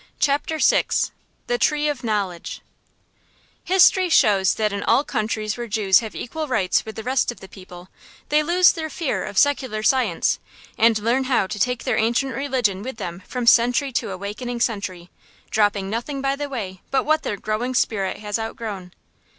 CHAPTER VI THE TREE OF KNOWLEDGE History shows that in all countries where Jews have equal rights with the rest of the people, they lose their fear of secular science, and learn how to take their ancient religion with them from century to awakening century, dropping nothing by the way but what their growing spirit has outgrown.